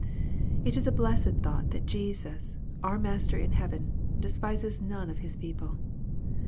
It is a blessed thought that Jesus, our Master in heaven, despises none of His people.